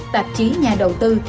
tạp chí nhà đầu tư